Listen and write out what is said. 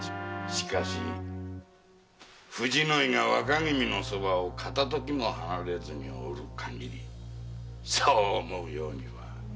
しかし藤の井が若君の側を片時も離れずに居るかぎりそう思うようには。